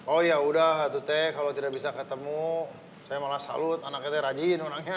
oh ya udah satu t kalau tidak bisa ketemu saya malah salut anaknya rajin orangnya